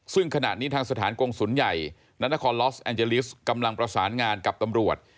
ซึ่งขณะนี้ทางสถานกงศูนย์ใหญ่นานครลอสแอนเจลิสกำลังประสานงานกับตำรวจ